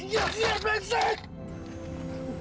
ya ya ya bensin